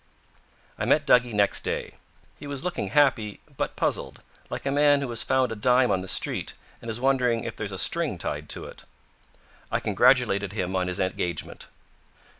I met Duggie next day. He was looking happy, but puzzled, like a man who has found a dime on the street and is wondering if there's a string tied to it. I congratulated him on his engagement.